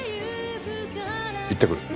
行ってくる。